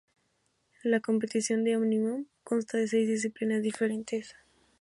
La competición de ómnium consta de seis disciplinas diferentes.